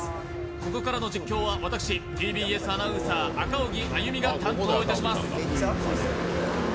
ここからの実況は、私、ＴＢＳアナウンサー、赤荻歩が担当します。